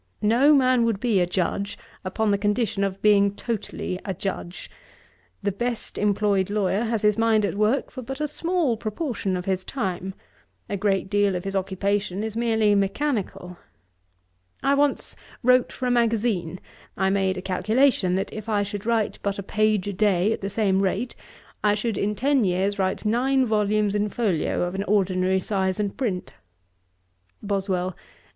No man would be a Judge, upon the condition of being totally a Judge. The best employed lawyer has his mind at work but for a small proportion of his time: a great deal of his occupation is merely mechanical. I once wrote for a magazine: I made a calculation, that if I should write but a page a day, at the same rate, I should, in ten years, write nine volumes in folio, of an ordinary size and print.' BOSWELL.